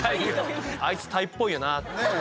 あいつ鯛っぽいよなって。